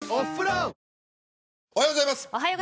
おはようございます。